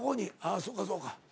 そうかそうか。